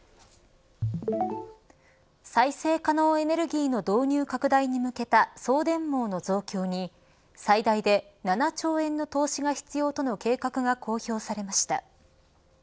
再生可能エネルギーの導入拡大に向けた送電網の増強に最大で７兆円の投資が必要との計画が公表されました。